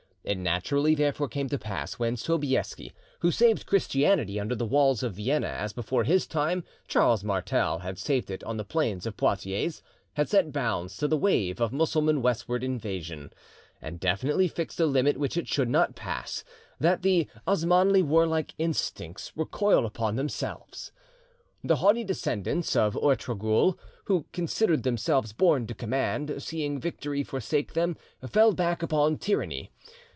It naturally therefore came to pass when Sobieski, who saved Christianity under the walls of Vienna, as before his time Charles Martel had saved it on the plains of Poitiers, had set bounds to the wave of Mussulman westward invasion, and definitely fixed a limit which it should not pass, that the Osmanli warlike instincts recoiled upon themselves. The haughty descendants of Ortogrul, who considered themselves born to command, seeing victory forsake them, fell back upon tyranny.